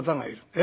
「え？